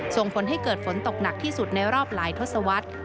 ส่งผลให้เกิดฝนตกหนักที่สุดในรอบหลายทศวรรษ